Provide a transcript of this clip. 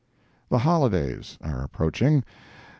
THE HOLIDAYS Are approaching.